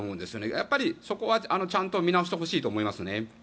やっぱり、そこはちゃんと見直してほしいと思いますね。